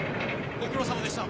ご苦労さまでした！